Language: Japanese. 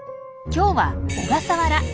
今日は小笠原。